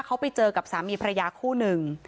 เขาไปเจอกับสามีพระยาคู่หนึ่ง